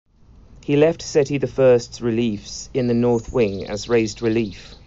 He left Seti the First's reliefs in the north wing as raised relief.